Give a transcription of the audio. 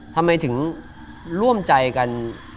ทำไมถึงร่วมใจกัน